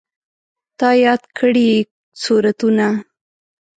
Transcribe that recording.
تا یاد کړي سورتونه